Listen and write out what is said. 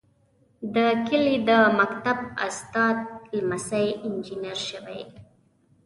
د کلي د مکتب استاد لمسی انجنیر شوی.